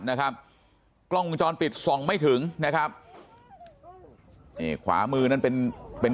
นะครับกล้องวงจรปิดส่องไม่ถึงนะครับนี่ขวามือนั่นเป็นเป็น